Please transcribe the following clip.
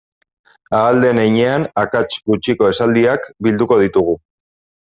Ahal den heinean akats gutxiko esaldiak bilduko ditugu.